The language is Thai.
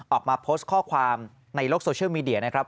ออกมาโพสต์ข้อความในโลกโซเชียลมีเดียนะครับ